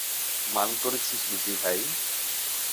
মান করেছিস বুঝি ভাই?